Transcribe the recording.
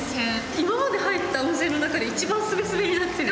今まで入った温泉の中で一番すべすべになってる。